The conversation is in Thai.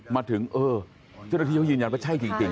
มาถึงเออเจ้านัทเที่ยวยืนยันว่าใช่จริงเนี่ย